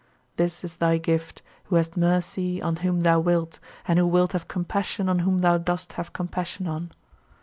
This is thy gift, who hast mercy on whom thou wilt and who wilt have compassion on whom thou dost have compassion on.